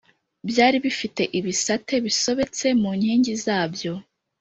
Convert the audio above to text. Byari bifite ibisate bisobetse mu nkingi zabyo